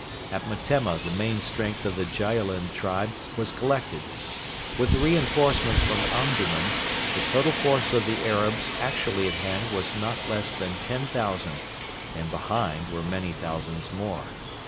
At Metemma the main strength of the Jaalin tribe was collected. With the reinforcements from Omdurman the total force of the Arabs actually at hand was not less than 10,000, and behind were many thousands more.